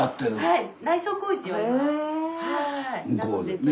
はい。